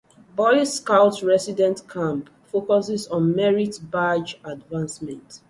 Boy Scout Resident Camp focuses on Merit Badge advancement.